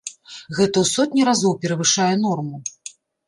Гэта ў сотні разоў перавышае норму.